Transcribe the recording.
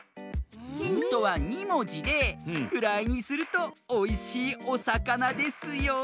ヒントは２もじでフライにするとおいしいおさかなですよ。